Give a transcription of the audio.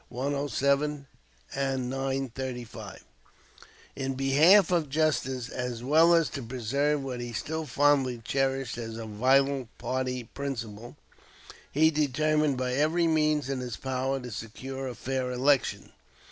107, 935.] In behalf of justice, as well as to preserve what he still fondly cherished as a vital party principle, he determined by every means in his power to secure a fair election.